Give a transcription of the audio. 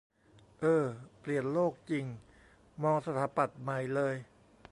เออ เปลี่ยนโลกจริง มองสถาปัตย์ใหม่เลย